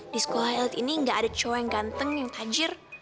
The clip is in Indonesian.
di sekolah elit ini nggak ada cowok yang ganteng yang tajir